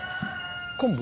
昆布？